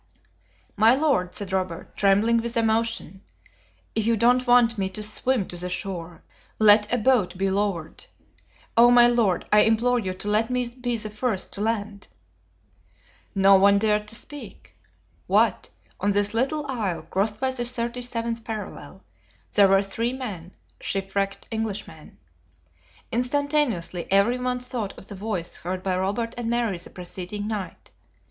"My Lord," said Robert, trembling with emotion, "if you don't want me to swim to the shore, let a boat be lowered. Oh, my Lord, I implore you to let me be the first to land." No one dared to speak. What! on this little isle, crossed by the 37th parallel, there were three men, shipwrecked Englishmen! Instantaneously everyone thought of the voice heard by Robert and Mary the preceding night.